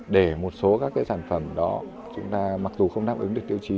để một số các cái sản phẩm đó chúng ta mặc dù không đáp ứng được tiêu chí